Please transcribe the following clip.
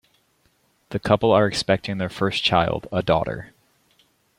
The couple are expecting their first child, a daughter.